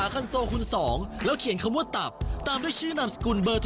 ก็เป็นอย่างสำหรับ